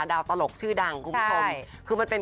ดาวตลกชื่อดังคุณผู้ชม